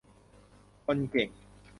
คนเก่ง